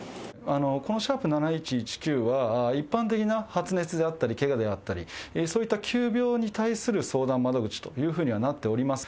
この＃７１１９は、一般的な発熱であったり、けがであったり、そういった急病に対する相談窓口というふうにはなっております。